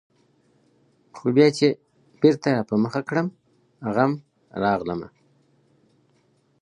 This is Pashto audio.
خو بيا چي بېرته راپه مخه کړمه غم ، راغلمه